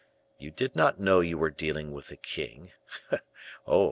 You did not know you were dealing with a king oh!